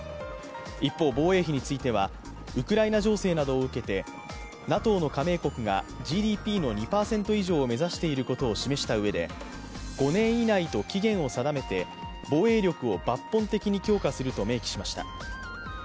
一方、防衛費についてはウクライナ情勢などを受けてＮＡＴＯの加盟国がＧＤＰの２％以上を目指していることを示したうえで５年以内と期限を定めて防衛力を抜本的に強化すると明記しました。